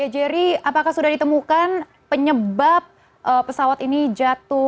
jerry apakah sudah ditemukan penyebab pesawat ini jatuh